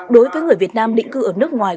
đối với người việt nam định cư ở nước ngoài